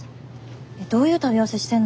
えっどういう食べ合わせしてんの。